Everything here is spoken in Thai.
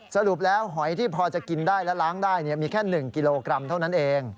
สรุปแล้วหอยที่พอจะกินได้และล้างได้มีแค่๑กิโลกรัมเท่านั้นเอง